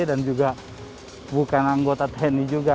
dan juga bukan anggota tni juga